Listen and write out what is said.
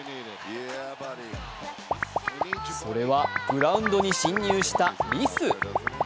それは、グラウンドに侵入したリス。